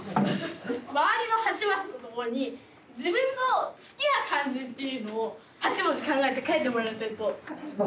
周りの８マスのとこに自分の好きな漢字っていうのを８文字考えて書いてもらいたいと。